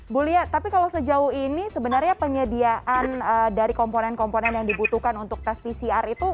bu lia tapi kalau sejauh ini sebenarnya penyediaan dari komponen komponen yang dibutuhkan untuk tes pcr itu